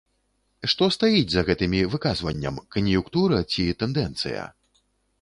Што стаіць за гэтымі выказванням, кан'юнктура ці тэндэнцыя?